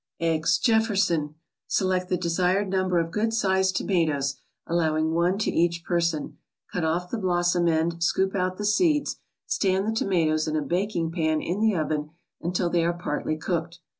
EGGS JEFFERSON Select the desired number of good sized tomatoes, allowing one to each person. Cut off the blossom end, scoop out the seeds, stand the tomatoes in a baking pan in the oven until they are partly cooked.